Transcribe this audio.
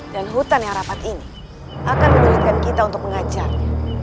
dan hutan yang rapat ini akan menjahitkan kita untuk mengajarnya